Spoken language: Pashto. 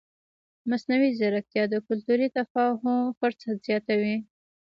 مصنوعي ځیرکتیا د کلتوري تفاهم فرصت زیاتوي.